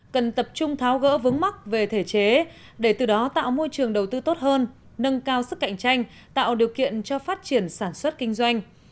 cần tập trung tháo gỡ vướng mắc về thể chế để từ đó tạo môi trường đầu tư tốt hơn nâng cao sức cạnh tranh tạo điều kiện cho phát triển sản xuất kinh doanh